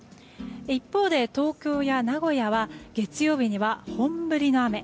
一方で東京や名古屋は月曜日には本降りの雨。